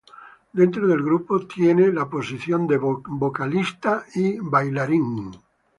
Dentro del grupo tiene una de las posición de vocalista y bailarín.